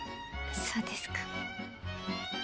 そうですか。